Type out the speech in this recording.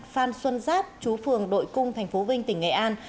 phan xuân giáp chú phường đội cung tp vinh tỉnh nghệ an